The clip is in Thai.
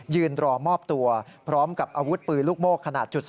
ยืนรอมอบตัวพร้อมกับอาวุธปืนลูกโม่ขนาด๓